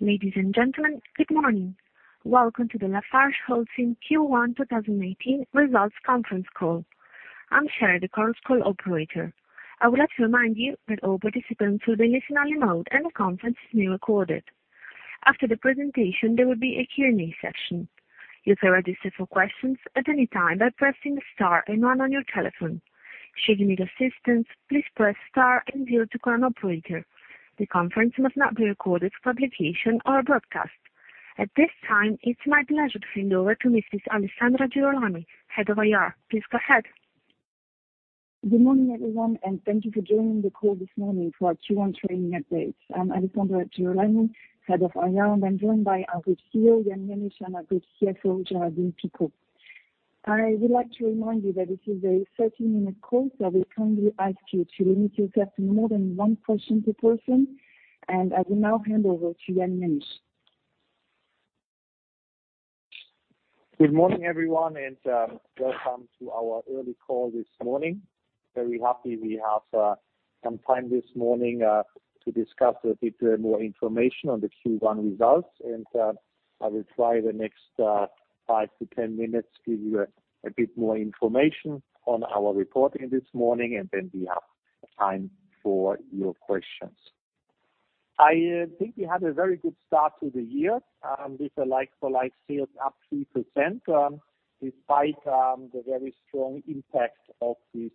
Ladies and gentlemen, good morning. Welcome to the LafargeHolcim Q1 2018 Results Conference Call. I'm Sherry, the conference call operator. I would like to remind you that all participants are in listen-only mode, and the conference is being recorded. After the presentation, there will be a Q&A session. You can register for questions at any time by pressing star and one on your telephone. Should you need assistance, please press star and zero to connect to an operator. The conference must not be recorded for publication or broadcast. At this time, it's my pleasure to hand over to Mrs. Alessandra Girolami, Head of IR. Please go ahead. Good morning, everyone. Thank you for joining the call this morning for our Q1 trading update. I'm Alessandra Girolami, Head of IR, and I'm joined by our CEO, Jan Jenisch, and our CFO, Géraldine Picaud. I would like to remind you that this is a 30-minute call. We kindly ask you to limit yourself to no more than one question per person. I will now hand over to Jan Jenisch. Good morning, everyone. Welcome to our early call this morning. Very happy we have some time this morning to discuss a bit more information on the Q1 results. I will try the next five to 10 minutes give you a bit more information on our reporting this morning. Then we have time for your questions. I think we had a very good start to the year with a like-for-like sales up 3% despite the very strong impact of these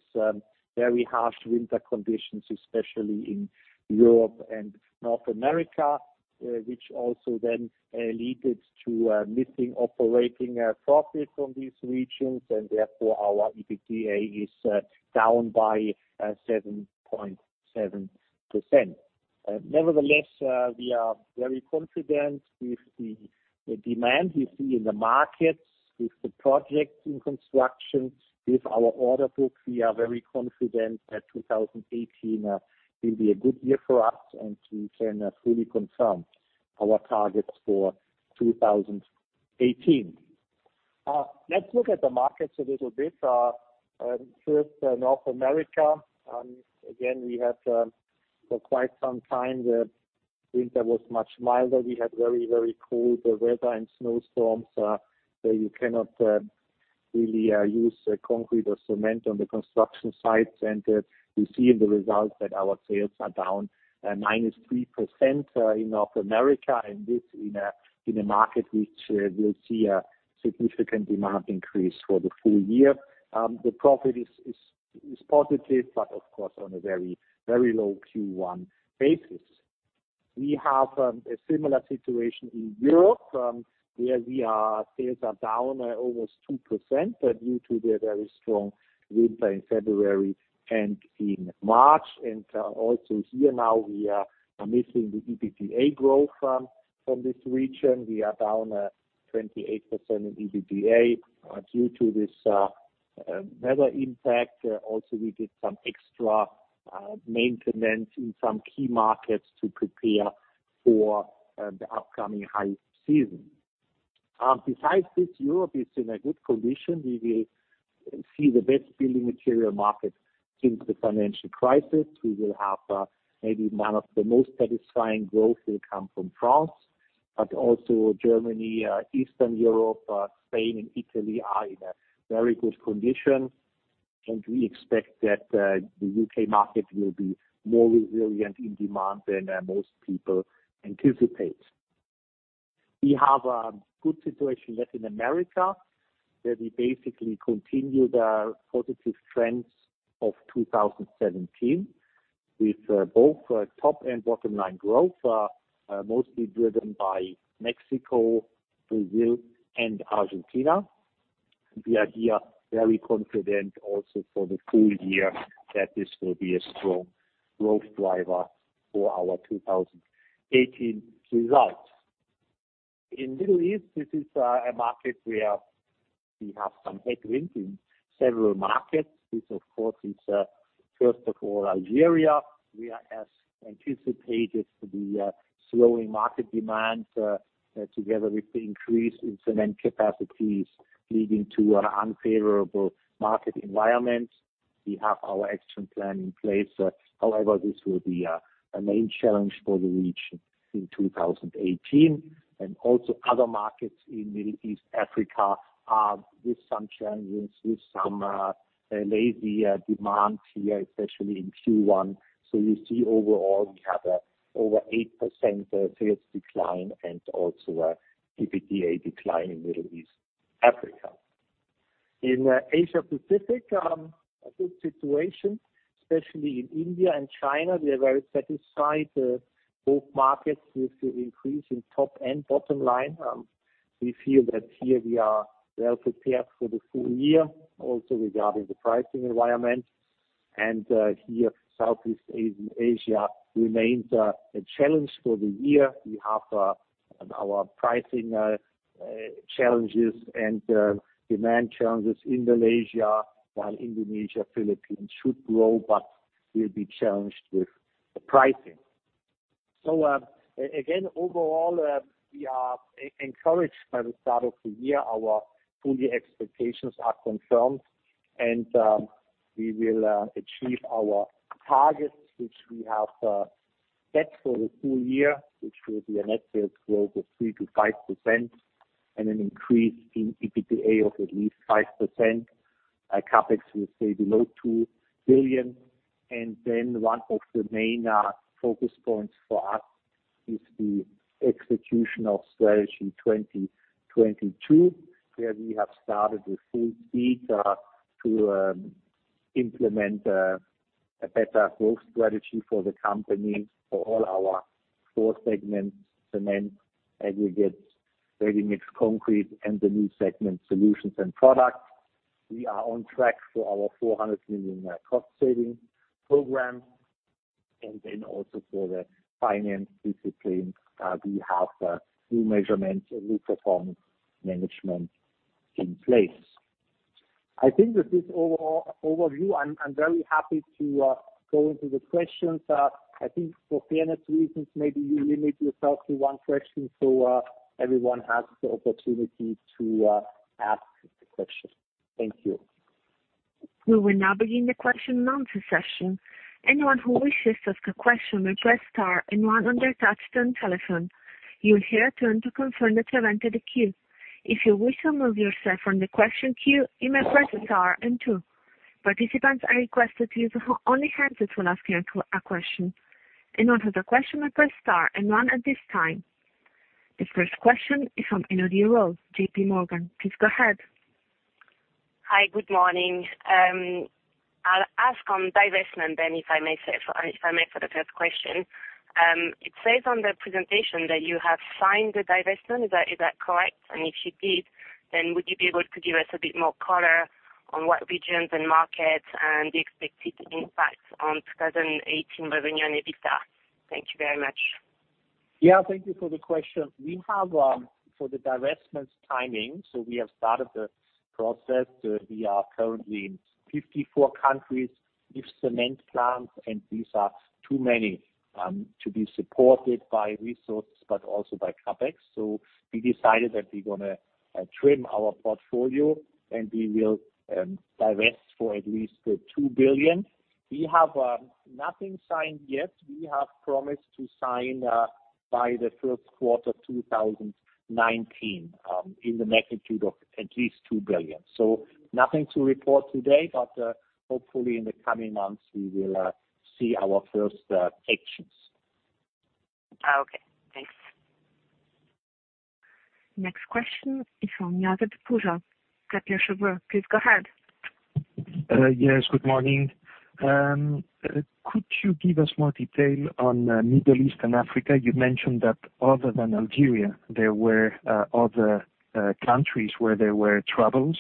very harsh winter conditions, especially in Europe and North America, which also then leaded to missing operating profit from these regions, and therefore our EBITDA is down by 7.7%. Nevertheless, we are very confident with the demand we see in the markets, with the projects in construction. With our order book, we are very confident that 2018 will be a good year for us. We can fully confirm our targets for 2018. Let's look at the markets a little bit. First, North America. Again, we had for quite some time, the winter was much milder. We had very cold weather and snowstorms. You cannot really use concrete or cement on the construction sites. We see in the results that our sales are down -3% in North America, and this in a market which will see a significant demand increase for the full year. The profit is positive, but of course, on a very low Q1 basis. We have a similar situation in Europe, where our sales are down almost 2% due to the very strong winter in February and in March. Also here now we are missing the EBITDA growth from this region. We are down 28% in EBITDA due to this weather impact. We did some extra maintenance in some key markets to prepare for the upcoming high season. Besides this, Europe is in a good condition. We will see the best building material market since the financial crisis. We will have maybe one of the most satisfying growth will come from France, but also Germany, Eastern Europe, Spain, and Italy are in a very good condition, and we expect that the U.K. market will be more resilient in demand than most people anticipate. We have a good situation Latin America, where we basically continue the positive trends of 2017 with both top and bottom line growth, mostly driven by Mexico, Brazil, and Argentina. We are here very confident also for the full year that this will be a strong growth driver for our 2018 results. Middle East, this is a market where we have some headwinds in several markets. This, of course, is first of all, Algeria. As anticipated, the slowing market demand together with the increase in cement capacities leading to an unfavorable market environment. We have our action plan in place. However, this will be a main challenge for the region in 2018. Also other markets in Middle East, Africa are with some challenges with some lazier demand here, especially in Q1. You see overall, we have over 8% sales decline and also a EBITDA decline in Middle East, Africa. Asia Pacific, a good situation, especially in India and China. We are very satisfied. Both markets with the increase in top and bottom line. We feel that here we are well prepared for the full year also regarding the pricing environment. Here Southeast Asia remains a challenge for the year. We have our pricing challenges and demand challenges in Malaysia, while Indonesia, Philippines should grow but will be challenged with pricing. Again, overall, we are encouraged by the start of the year. Our full year expectations are confirmed, and we will achieve our targets, which we have set for the full year, which will be a net sales growth of 3%-5% and an increase in EBITDA of at least 5%. Our CapEx will stay below $2 billion. One of the main focus points for us is the execution of Strategy 2022, where we have started with full speed to implement a better growth strategy for the company for all our four segments: cement, aggregates, ready-mix concrete, and the new segment, solutions and products. We are on track for our 400 million cost-saving program. Also for the finance discipline, we have new measurements, a new performance management in place. I think with this overview, I'm very happy to go into the questions. I think for fairness reasons, maybe you limit yourself to one question so everyone has the opportunity to ask the question. Thank you. We will now begin the question and answer session. Anyone who wishes to ask a question may press star and one on their touch-tone telephone. You will hear a tone to confirm that you have entered the queue. If you wish to remove yourself from the question queue, you may press star and two. Participants are requested to use only hands when asking a question. In order to question, press star and one at this time. The first question is from Elodie Rall, JPMorgan. Please go ahead. Hi. Good morning. I'll ask on divestment then if I may for the first question. It says on the presentation that you have signed the divestment. Is that correct? If you did, then would you be able to give us a bit more color on what regions and markets and the expected impact on 2018 revenue and EBITDA? Thank you very much. Thank you for the question. We have started the process. We are currently in 54 countries with cement plants, and these are too many to be supported by resource, but also by CapEx. We decided that we're going to trim our portfolio, and we will divest for at least $2 billion. We have nothing signed yet. We have promised to sign by the first quarter 2019, in the magnitude of at least $2 billion. Nothing to report today, but hopefully in the coming months, we will see our first actions. Okay, thanks. Next question is from Josep Pujal, Kepler Cheuvreux. Please go ahead. Yes, good morning. Could you give us more detail on Middle East and Africa? You mentioned that other than Algeria, there were other countries where there were troubles.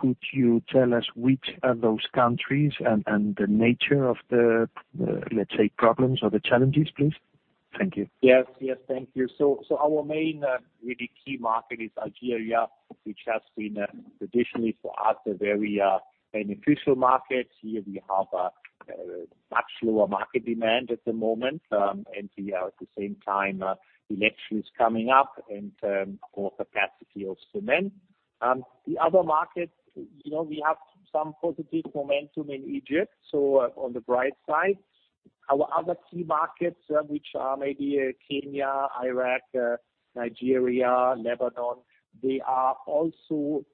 Could you tell us which are those countries and the nature of the, let's say, problems or the challenges, please? Thank you. Yes. Thank you. Our main really key market is Algeria, which has been traditionally for us a very beneficial market. Here we have a much lower market demand at the moment. We are at the same time, elections coming up and over capacity of cement. The other market, we have some positive momentum in Egypt, on the bright side. Our other key markets, which are maybe Kenya, Iraq, Nigeria, Lebanon, they also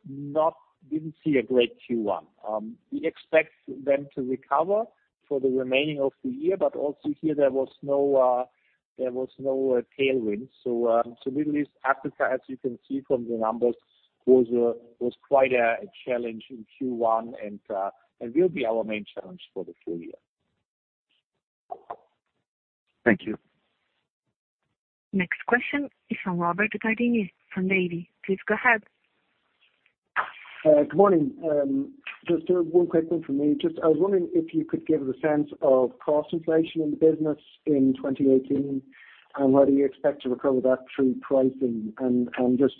didn't see a great Q1. We expect them to recover for the remaining of the year, also here there was no tailwind. Middle East, Africa, as you can see from the numbers, was quite a challenge in Q1 and will be our main challenge for the full year. Thank you. Next question is from Robert Gardiner from Davy. Please go ahead. Good morning. Just one quick one from me. I was wondering if you could give us a sense of cost inflation in the business in 2018, and whether you expect to recover that through pricing. Just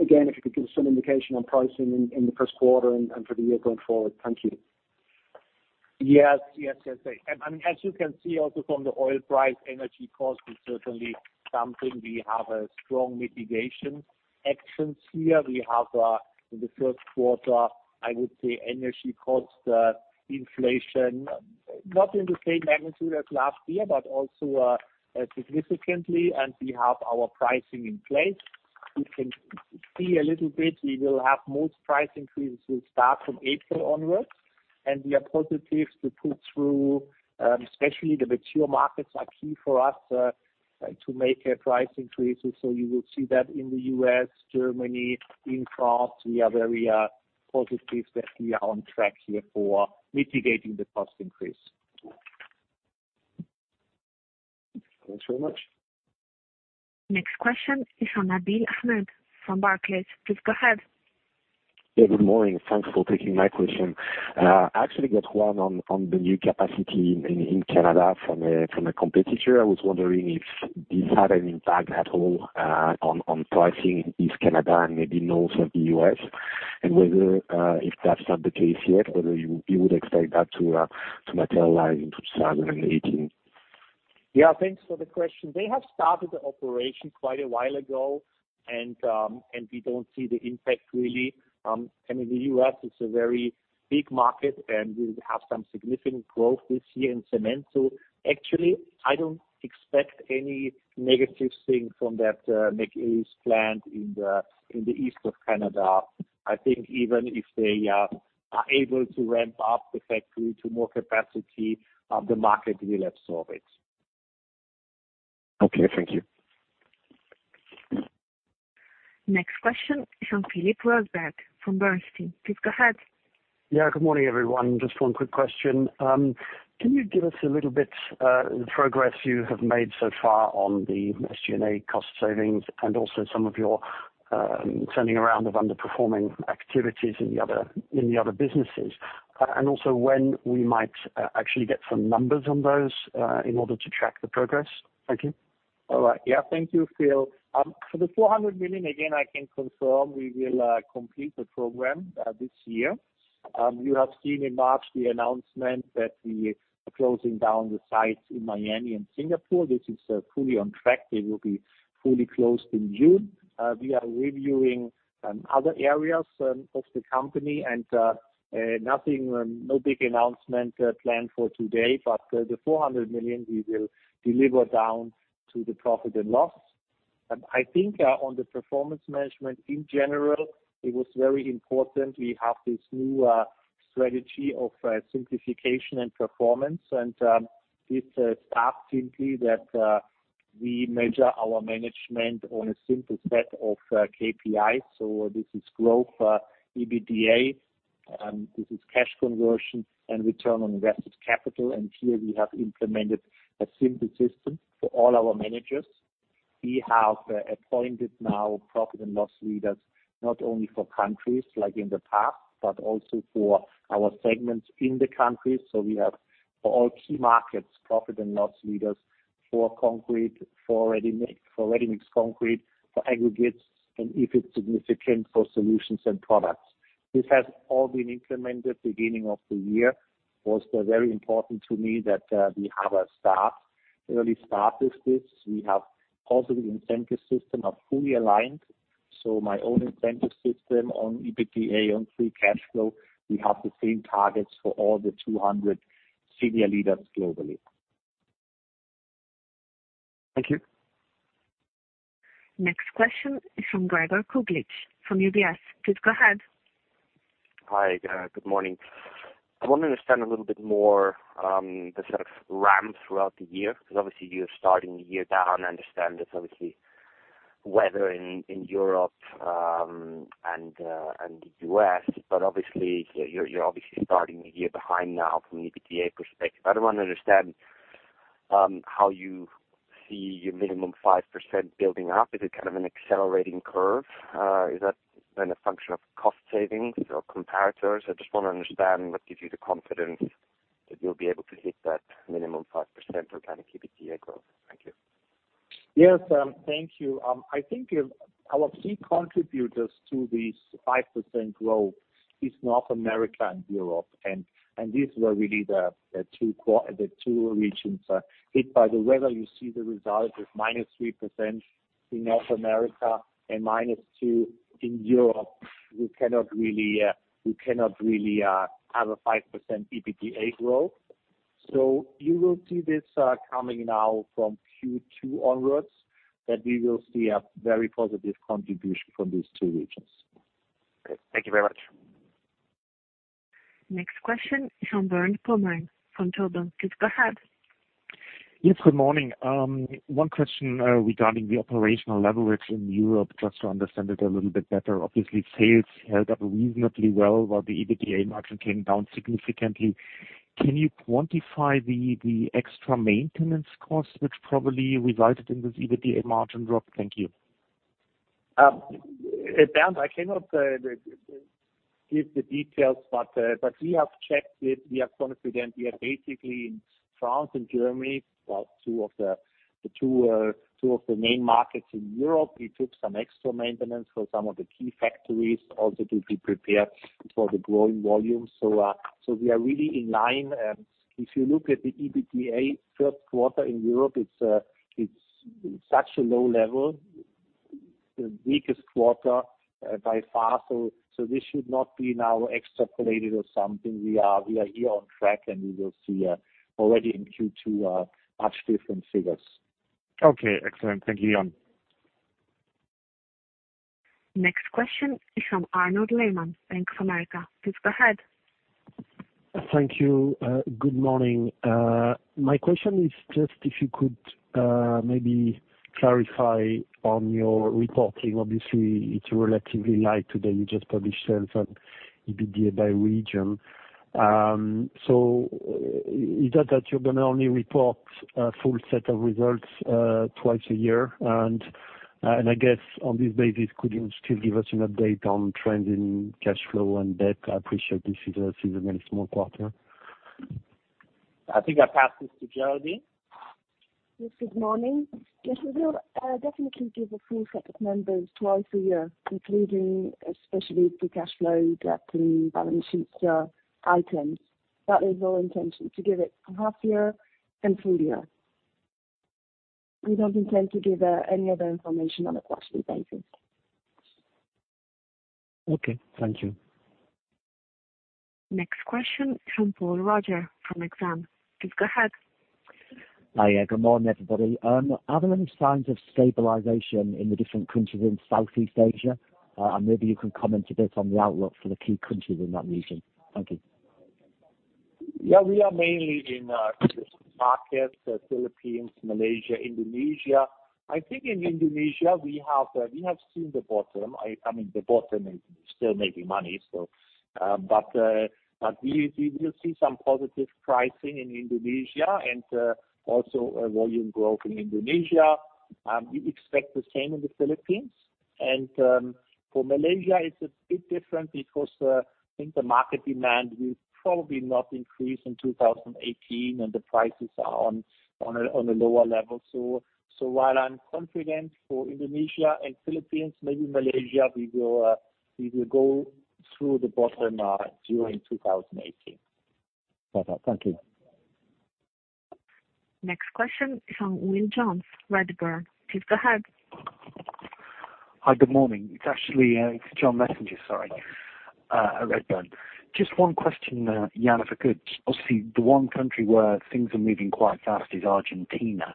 again, if you could give us some indication on pricing in the first quarter and for the year going forward. Thank you. Yes. I mean, as you can see also from the oil price, energy cost is certainly something we have a strong mitigation actions here. We have in the first quarter, I would say energy cost inflation, not in the same magnitude as last year, but also significantly. We have our pricing in place. We can see a little bit, we will have most price increases will start from April onwards. We are positive to pull through, especially the mature markets are key for us to make price increases. You will see that in the U.S., Germany, in France, we are very positive that we are on track here for mitigating the cost increase. Thanks very much. Next question is from Nabil Ahmed from Barclays. Please go ahead. Yeah, good morning. Thanks for taking my question. I actually got one on the new capacity in Canada from a competitor. I was wondering if this had an impact at all on pricing in East Canada and maybe north of the U.S. Whether if that's not the case yet, whether you would expect that to materialize in 2018. Yeah, thanks for the question. They have started the operation quite a while ago, we don't see the impact really. The U.S. is a very big market, we have some significant growth this year in cement. Actually, I don't expect any negative thing from that McInnis plant in the east of Canada. I think even if they are able to ramp up the factory to more capacity, the market will absorb it. Okay. Thank you. Next question is from Philip Rosenberg from Bernstein. Please go ahead. Yeah. Good morning, everyone. Just one quick question. Can you give us a little bit progress you have made so far on the SG&A cost savings and also some of your turning around of underperforming activities in the other businesses, and also when we might actually get some numbers on those in order to track the progress? Thank you. All right. Yeah. Thank you, Phil. For the 400 million, again, I can confirm we will complete the program this year. You have seen in March the announcement that we are closing down the sites in Miami and Singapore. This is fully on track. They will be fully closed in June. We are reviewing other areas of the company and nothing, no big announcement planned for today, but the 400 million we will deliver down to the profit and loss. I think on the performance management in general, it was very important we have this new strategy of simplification and performance. This starts simply that we measure our management on a simple set of KPIs. This is growth, EBITDA, this is cash conversion and return on invested capital. Here we have implemented a simple system for all our managers. We have appointed now profit and loss leaders, not only for countries like in the past, but also for our segments in the countries. We have for all key markets, profit and loss leaders for concrete, for ready-mix concrete, for aggregates, and if it's significant, for solutions and products. This has all been implemented beginning of the year. It was very important to me that we have our staff early start with this. We have also the incentive system are fully aligned. My own incentive system on EBITDA, on free cash flow, we have the same targets for all the 200 senior leaders globally. Thank you. Next question is from Gregor Kuglitsch from UBS. Please go ahead. Hi, good morning. I want to understand a little bit more the sort of ramp throughout the year, because obviously you're starting the year down. I understand it's obviously weather in Europe and the U.S., but obviously, you're obviously starting the year behind now from an EBITDA perspective. I want to understand how you see your minimum 5% building up. Is it kind of an accelerating curve? Is that then a function of cost savings or comparators? I just want to understand what gives you the confidence that you'll be able to hit that minimum 5% organic EBITDA growth. Thank you. Yes. Thank you. I think our key contributors to this 5% growth is North America and Europe, and these were really the two regions hit by the weather. You see the result is minus 3% in North America and minus 2% in Europe. We cannot really have a 5% EBITDA growth. You will see this coming now from Q2 onwards, that we will see a very positive contribution from these two regions. Great. Thank you very much. Next question is from Bernd Pomrehn from Deutsche Bank. Please go ahead. Yes, good morning. One question regarding the operational leverage in Europe, just to understand it a little bit better. Obviously, sales held up reasonably well while the EBITDA margin came down significantly. Can you quantify the extra maintenance costs which probably resulted in this EBITDA margin drop? Thank you. Bernd, I cannot give the details, but we have checked it. We are confident. We are basically in France and Germany, the two of the main markets in Europe. We took some extra maintenance for some of the key factories also to be prepared for the growing volume. We are really in line. If you look at the EBITDA first quarter in Europe it is such a low level, the weakest quarter by far. This should not be now extrapolated or something. We are here on track, and we will see already in Q2 much different figures. Okay, excellent. Thank you, Jan. Next question is from Arnaud Lehmann, Bank of America. Please go ahead. Thank you. Good morning. My question is just if you could maybe clarify on your reporting. Obviously, it's relatively light today. You just published sales and EBITDA by region. Is it that you're going to only report a full set of results twice a year? And I guess on this basis, could you still give us an update on trends in cash flow and debt? I appreciate this is a very small quarter. I think I pass this to Géraldine. Yes, good morning. Yes, we'll definitely give a full set of numbers twice a year, including especially the cash flow, debt, and balance sheet items. That is our intention, to give it half year and full year. We don't intend to give any other information on a quarterly basis. Okay, thank you. Next question, from Paul Roger from Exane. Please go ahead. Hi. Good morning, everybody. Are there any signs of stabilization in the different countries in Southeast Asia? Maybe you can comment a bit on the outlook for the key countries in that region. Thank you. Yeah, we are mainly in these markets, Philippines, Malaysia, Indonesia. I think in Indonesia, we have seen the bottom. I mean, the bottom is still making money. We will see some positive pricing in Indonesia and also volume growth in Indonesia. We expect the same in the Philippines. For Malaysia, it's a bit different because I think the market demand will probably not increase in 2018 and the prices are on a lower level. While I'm confident for Indonesia and Philippines, maybe Malaysia we will go through the bottom during 2018. Bye-bye. Thank you. Next question is on Will Jones, Redburn. Please go ahead. Hi. Good morning. It's actually John Messenger, sorry, at Redburn. Just one question, Jan, if I could. Obviously, the one country where things are moving quite fast is Argentina.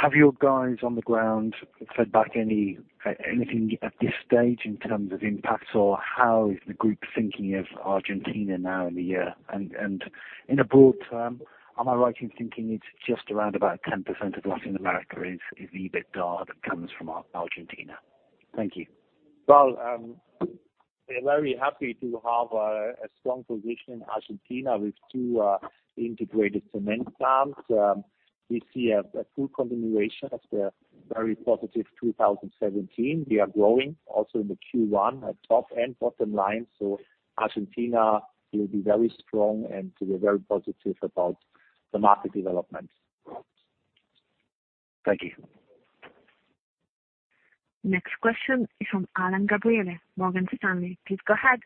Have your guys on the ground fed back anything at this stage in terms of impacts? How is the group thinking of Argentina now in the year? In a broad term, am I right in thinking it's just around about 10% of Latin America is the EBITDA that comes from Argentina? Thank you. Well, we are very happy to have a strong position in Argentina with two integrated cement plants. We see a full continuation of the very positive 2017. We are growing also in the Q1 at top and bottom line. Argentina will be very strong, and we're very positive about the market development. Thank you. Next question is from Alain Gabriel, Morgan Stanley. Please go ahead.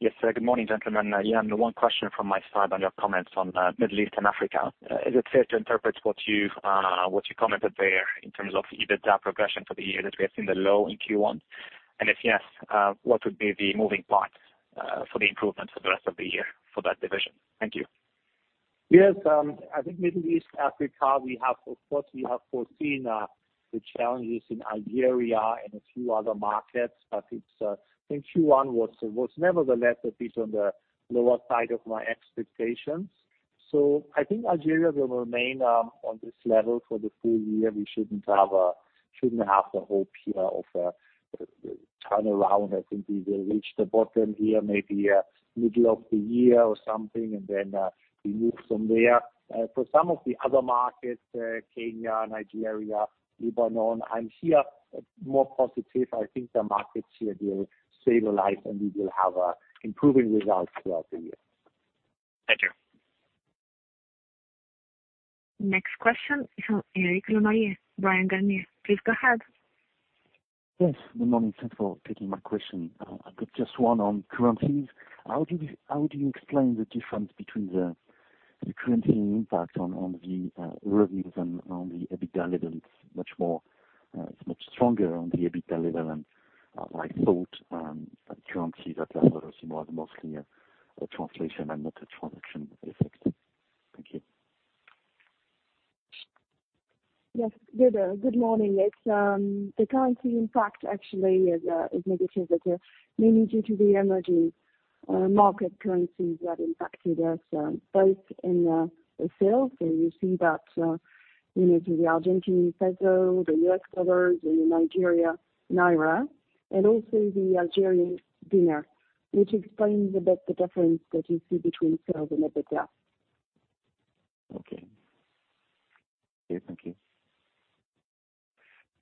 Yes, good morning, gentlemen. Jan, the one question from my side on your comments on Middle East and Africa. Is it fair to interpret what you've commented there in terms of EBITDA progression for the year that we have seen the low in Q1? If yes, what would be the moving parts for the improvement for the rest of the year for that division? Thank you. Yes. I think Middle East, Africa, we have foreseen the challenges in Algeria and a few other markets, but I think Q1 was nevertheless a bit on the lower side of my expectations. I think Algeria will remain on this level for the full year. We shouldn't have the hope here of a turnaround. I think we will reach the bottom here maybe middle of the year or something, and then we move from there. For some of the other markets, Kenya, Nigeria, Lebanon, I'm here more positive. I think the markets here will stabilize, and we will have improving results throughout the year. Thank you. Next question is from Eric Le Berrigaud, Bryan, Garnier. Please go ahead. Yes. Good morning. Thanks for taking my question. I've got just one on currencies. How do you explain the difference between the currency impact on the revenues and on the EBITDA level? It's much stronger on the EBITDA level than I thought. Currency that level is more mostly a translation and not a transaction effect. Thank you. Yes. Good morning. The currency impact actually is negative, mainly due to the emerging market currencies that impacted us both in the sales. You see that in the Argentine peso, the US dollar, the Nigerian naira and also the Algerian dinar, which explains a bit the difference that you see between sales and EBITDA. Okay. Yes. Thank you.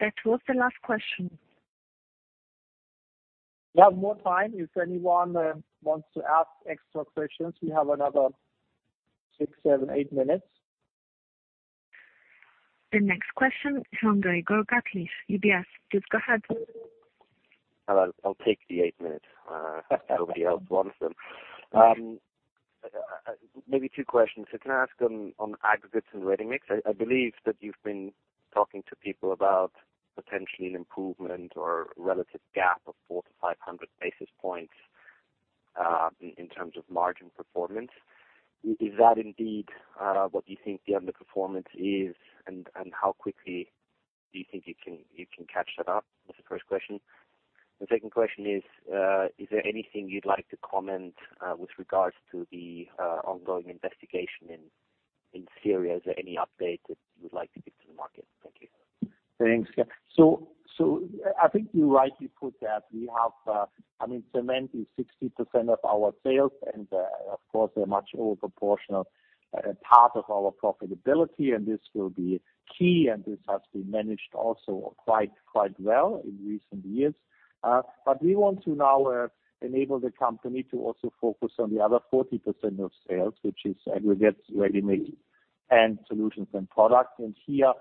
That was the last question. We have more time if anyone wants to ask extra questions. We have another six, seven, eight minutes. The next question is from Gregor Kuglitsch, UBS. Please go ahead. I'll take the eight minutes if nobody else wants them. Maybe two questions. Can I ask on aggregates and ready-mix? I believe that you've been talking to people about potentially an improvement or relative gap of 4-500 basis points in terms of margin performance. Is that indeed what you think the underperformance is, and how quickly do you think you can catch that up? That's the first question. The second question is there anything you'd like to comment with regards to the ongoing investigation in Syria? Is there any update that you would like to give to the market? Thank you. Thanks. I think you rightly put that cement is 60% of our sales and, of course, a much over proportional part of our profitability, and this will be key, and this has been managed also quite well in recent years. We want to now enable the company to also focus on the other 40% of sales, which is aggregates ready-mix. Solutions and products. Here,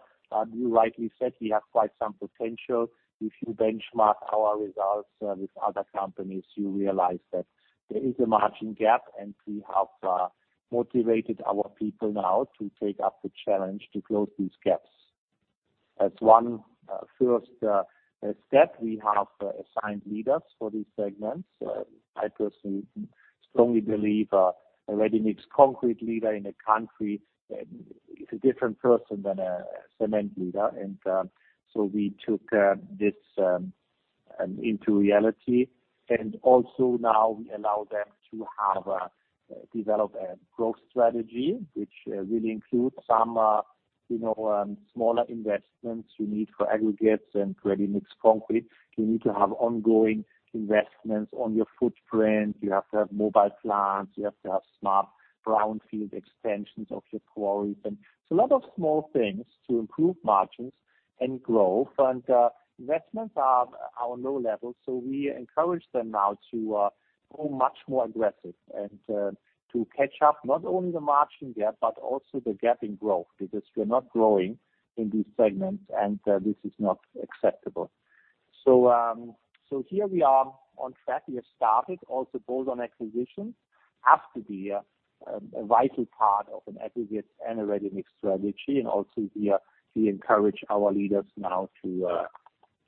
you rightly said, we have quite some potential. If you benchmark our results with other companies, you realize that there is a margin gap, and we have motivated our people now to take up the challenge to close these gaps. As one first step, we have assigned leaders for these segments. I personally strongly believe a ready-mix concrete leader in a country is a different person than a cement leader, we took this into reality. Also now we allow them to develop a growth strategy, which really includes some smaller investments you need for aggregates and ready-mix concrete. You need to have ongoing investments on your footprint. You have to have mobile plants, you have to have smart brownfield extensions of your quarries, and it's a lot of small things to improve margins and growth. Investments are our low levels. We encourage them now to go much more aggressive and to catch up, not only the margin gap, but also the gap in growth, because we're not growing in these segments, and this is not acceptable. Here we are on track. We have started also bolt-on acquisitions, have to be a vital part of an aggregates and a ready-mix strategy. Also we encourage our leaders now to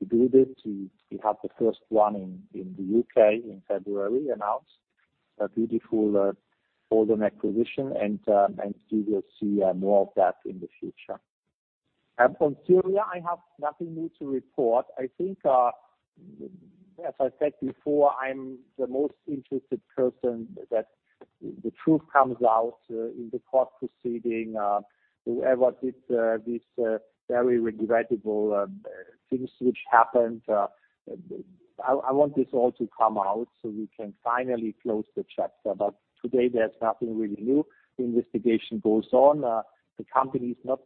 do this. We have the first one in the U.K. in February announced, a beautiful bolt-on acquisition. You will see more of that in the future. From Syria, I have nothing new to report. I think, as I said before, I'm the most interested person that the truth comes out in the court proceeding, whoever did these very regrettable things which happened. I want this all to come out so we can finally close the chapter. Today there's nothing really new. The investigation goes on. The company is not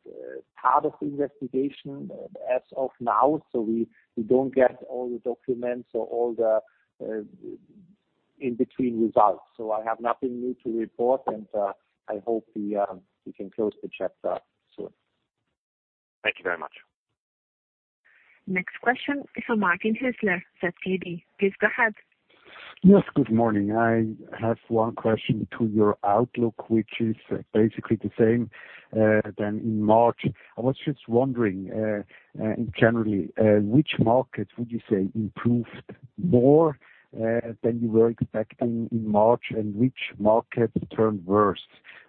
part of the investigation as of now, we don't get all the documents or all the in-between results. I have nothing new to report, and I hope we can close the chapter soon. Thank you very much. Next question is from Martin Hüsler, ZKB. Please go ahead. Yes, good morning. I have one question to your outlook, which is basically the same than in March. I was just wondering, generally, which markets would you say improved more than you were expecting in March? Which markets turned worse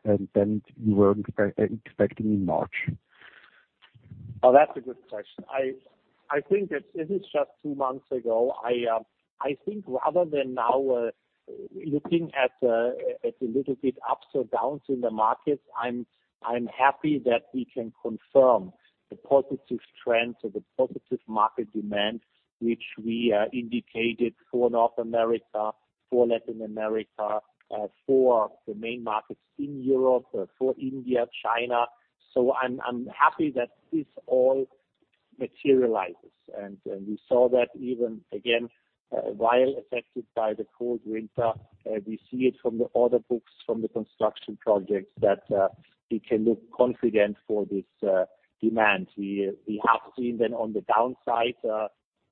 than you were expecting in March? Oh, that's a good question. I think that this is just two months ago. I think rather than now looking at a little bit ups or downs in the markets, I am happy that we can confirm the positive trend or the positive market demand, which we indicated for North America, for Latin America, for the main markets in Europe, for India, China. I am happy that this all materializes. We saw that even again, while affected by the cold winter, we see it from the order books, from the construction projects, that we can look confident for this demand. We have seen on the downside,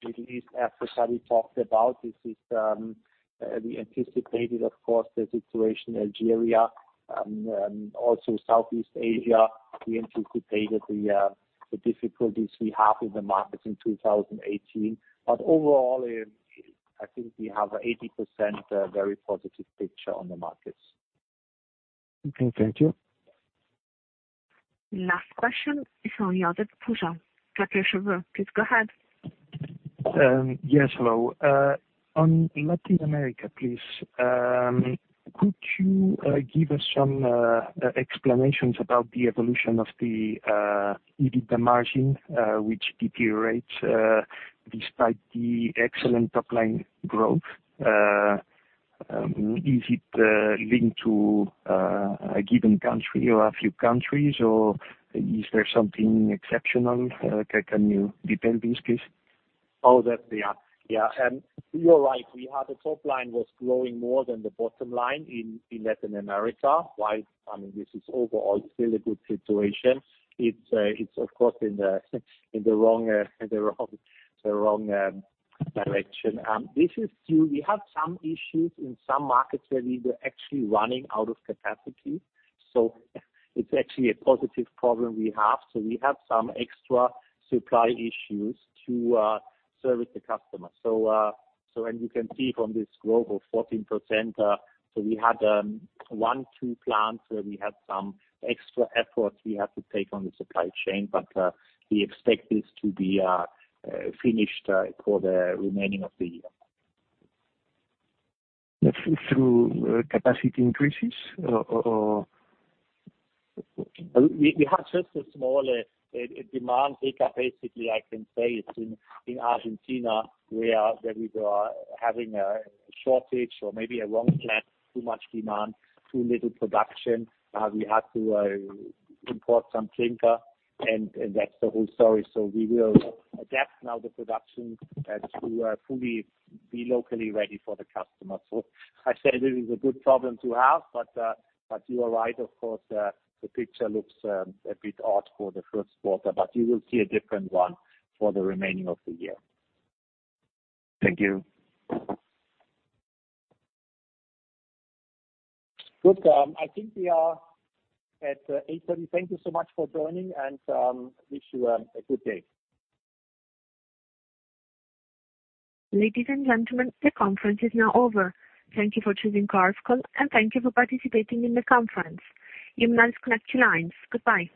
at least as Touahri talked about, we anticipated, of course, the situation Algeria and also Southeast Asia. We anticipated the difficulties we have in the markets in 2018. Overall, I think we have 80% very positive picture on the markets. Okay, thank you. Last question is from Josep Pujal, Kepler Cheuvreux. Please go ahead. Yes, hello. On Latin America, please, could you give us some explanations about the evolution of the EBITDA margin, which deteriorates despite the excellent top-line growth? Is it linked to a given country or a few countries, or is there something exceptional? Can you detail this, please? Oh, that. Yeah. You're right. We had the top line was growing more than the bottom line in Latin America. Why? This is overall still a good situation. It's of course in the wrong direction. We have some issues in some markets where we were actually running out of capacity. It's actually a positive problem we have. We have some extra supply issues to service the customer. As you can see from this growth of 14%, we had one, two plants where we had some extra efforts we had to take on the supply chain, but we expect this to be finished for the remaining of the year. Through capacity increases or? We have just a small demand hiccup, basically, I can say it's in Argentina, where we were having a shortage or maybe a wrong plan, too much demand, too little production. We had to import some clinker, and that's the whole story. We will adapt now the production to fully be locally ready for the customer. I say this is a good problem to have, but you are right, of course, the picture looks a bit odd for the first quarter, but you will see a different one for the remaining of the year. Thank you. Good. I think we are at 8:30 A.M. Thank you so much for joining, and wish you a good day. Ladies and gentlemen, the conference is now over. Thank you for choosing Chorus Call, and thank you for participating in the conference. You may disconnect your lines. Goodbye.